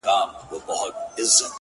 اوس خو رڼاگاني كيسې نه كوي’